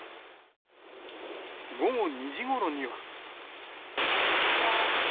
午後２時ごろには。